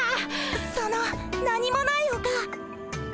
その何もないおか。